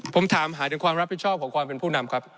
ผมถามหาถึงความรับผิดชอบของความเป็นผู้นำครับ